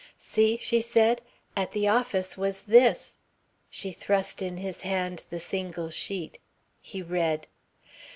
"See," she said. "At the office was this...." She thrust in his hand the single sheet. He read